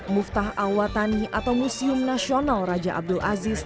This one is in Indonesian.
muftah awatani atau museum nasional raja abdul aziz